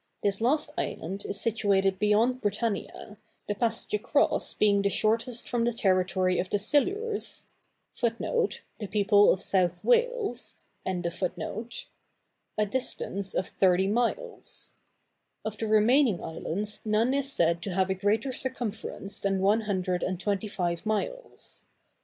This last island is situated beyond Britannia, the passage across being the shortest from the territory of the Silures, a distance of thirty miles. Of the remaining islands none is said to have a greater circumference than one hundred and twenty five miles.